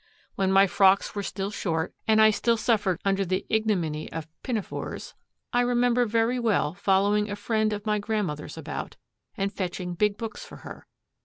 When my frocks were still short and I still suffered under the ignominy of pinafores, I remember very well following a friend of my grandmother's about, and fetching big books for her.